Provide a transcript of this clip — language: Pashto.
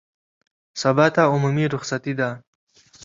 سبا ته عمومي رخصتي ده